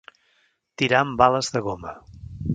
Tirar amb bales de goma.